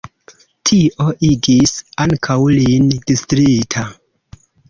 Tio igis ankaŭ lin distrita.